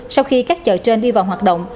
sau khi các chợ trên đi vào hoạt động